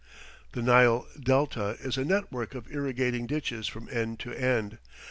The Nile Delta is a net work of irrigating ditches from end to end.